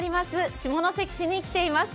下関市に来ています。